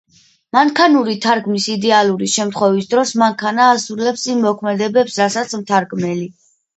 მანქანური თარგმნის იდეალური შემთხვევის დროს მანქანა ასრულებს იმ მოქმედებებს რასაც მთარგმნელი.